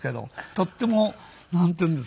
とってもなんていうんです？